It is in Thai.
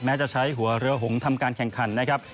จะใช้หัวเรือหงทำการแข่งขันนะครับ